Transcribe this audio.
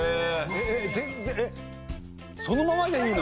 えっそのままでいいの？